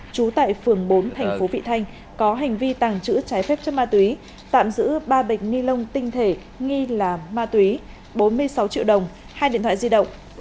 trú tại phường bốn thành phố vị thanh có hành vi tàng trữ trái phép chất ma túy tạm giữ ba bịch ni lông tinh thể nghi là ma túy bốn mươi sáu triệu đồng hai điện thoại di động